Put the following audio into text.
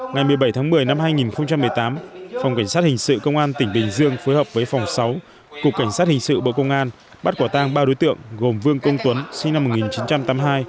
ngày một mươi bảy tháng một mươi năm hai nghìn một mươi tám phòng cảnh sát hình sự công an tỉnh bình dương phối hợp với phòng sáu cục cảnh sát hình sự bộ công an bắt quả tang ba đối tượng gồm vương công tuấn sinh năm một nghìn chín trăm tám mươi hai